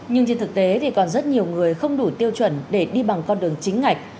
nhưng trên thực tế thì còn rất nhiều người không đủ tiêu chuẩn để đi bằng con đường chính ngạch